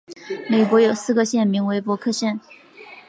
美国有四个县名为伯克县。